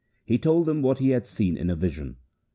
He told them what he had seen in a vision.